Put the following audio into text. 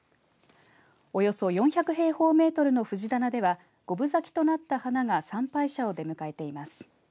およそ４００平方メートルの藤棚では五分咲きとなった花が参拝者を出迎えています。